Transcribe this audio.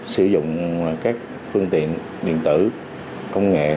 sử dụng các phương tiện điện tử công nghệ